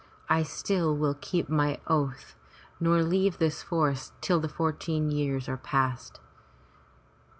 I still will keep my oath nor leave this forest till the fourteen years are past.